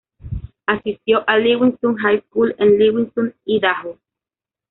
Asistió a Lewiston High School en Lewiston, Idaho.